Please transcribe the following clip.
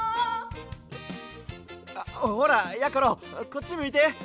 あっほらやころこっちむいて。